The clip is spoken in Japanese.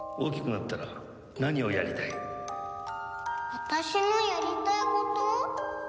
私のやりたいこと？